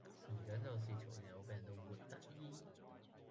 成長就是從有病到沒得醫。